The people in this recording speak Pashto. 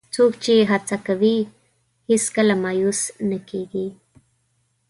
څوک چې هڅه کوي، هیڅکله مایوس نه کېږي.